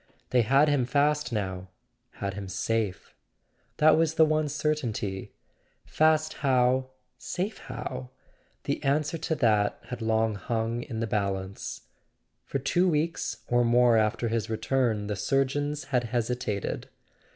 They had him fast now, had him safe. That was the one certainty. Fast how, [ 400 ] A SON AT THE FRONT safe how?—the answer to that had long hung in the balance. For two weeks or more after his return the surgeons had hesitated.